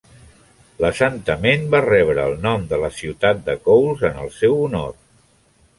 L'assentament va rebre el nom de ciutat de Cowles en el seu honor.